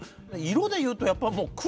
色でいうとやっぱもう黒。